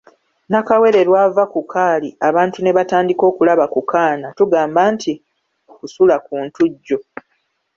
Nakawere lw'ava ku kaali abantu ne batandika okulaba ku kaana tugamba nti kusula ku ntujjo.